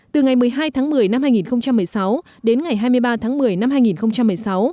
từ ngày một mươi hai tháng một mươi năm hai nghìn một mươi sáu đến ngày hai mươi ba tháng một mươi năm hai nghìn một mươi sáu